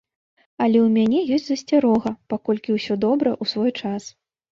Але ў мяне ёсць засцярога, паколькі ўсё добра ў свой час.